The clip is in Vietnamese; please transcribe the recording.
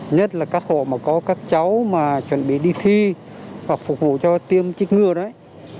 nhất là các hộ mà có các cháu mà chuẩn bị đi thi hoặc phục vụ cho tiêm trích ngừa đấy